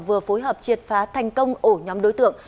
vừa phối hợp triệt phá thành công ổ nhóm đối tượng